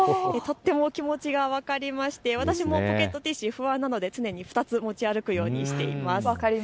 とても気持ちが分かりまして私もポケットティッシュ、不安なので常に２つ持ち歩くようにしています。